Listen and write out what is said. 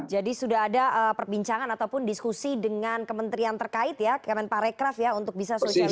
jadi sudah ada perbincangan ataupun diskusi dengan kementerian terkait ya kemenparekraf ya untuk bisa sosialisasi nanti ke